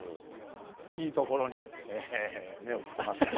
いいところに目をつけましたね。